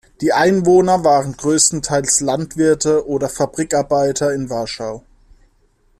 Die Einwohner waren größtenteils Landwirte oder Fabrikarbeiter in Warschau.